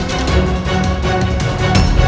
aku semua berhenti berkisah